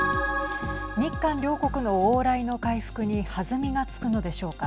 日韓両国の往来の回復に弾みがつくのでしょうか。